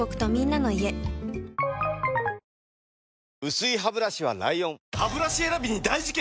薄いハブラシは ＬＩＯＮハブラシ選びに大事件！